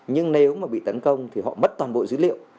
nhưng nếu mà bị tấn công thì họ mất toàn bộ dữ liệu